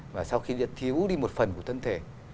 và sau khi sẽ thiếu đi một phần của thân thể